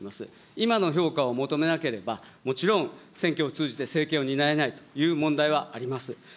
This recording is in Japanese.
今の評価を求めなければ、もちろんを通じて政権を担えないという問題はあります。